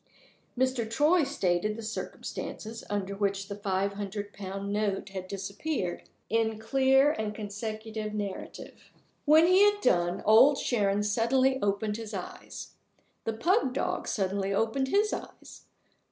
Mr. Troy stated the circumstances under which the five hundred pound note had disappeared, in clear and consecutive narrative. When he had done, Old Sharon suddenly opened his eyes. The pug dog suddenly opened his eyes.